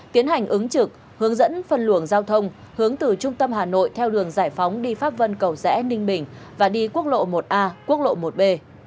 tiến hành ứng trực hướng dẫn phân luồng giao thông hướng từ trung tâm hà nội theo đường giải phóng đi pháp vân cầu rẽ ninh bình và đi quốc lộ một a quốc lộ một b